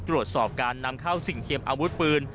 ตรวจสอบการนำเข้าสิ่งเทียมอาวุธปืน